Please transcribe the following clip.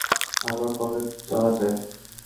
আবার কবে যাওয়া যায়?